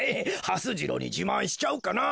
はす次郎にじまんしちゃおうかな。